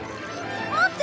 待って。